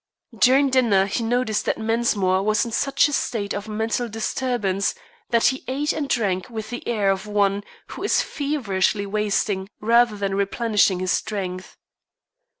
During dinner he noticed that Mensmore was in such a state of mental disturbance that he ate and drank with the air of one who is feverishly wasting rather than replenishing his strength.